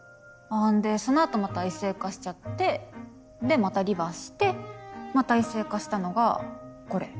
でその後また異性化しちゃってでまたリバースしてまた異性化したのがこれ。